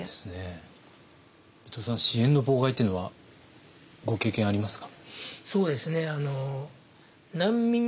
伊藤さん支援の妨害っていうのはご経験ありますか？